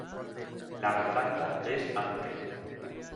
La garganta es ante.